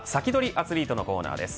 アツリートのコーナーです。